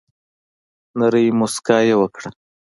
نرۍ مسکا یي وکړه